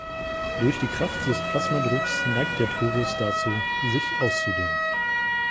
Durch die Kraft des Plasmadrucks neigt der Torus dazu, sich auszudehnen.